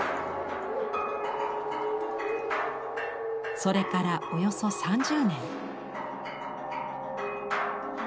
それからおよそ３０年。